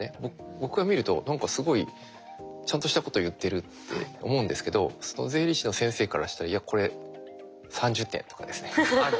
僕が見ると何かすごいちゃんとしたこと言ってるって思うんですけど税理士の先生からしたら「いやこれ３０点」とかですね。